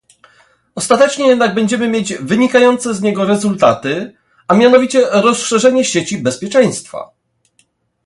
Ostatecznie jednak będziemy mieć wynikające z niego rezultaty, a mianowicie rozszerzenie sieci bezpieczeństwa